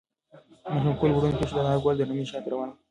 ماشوم په خپلو وړو پښو د انارګل د رمې شاته روان و.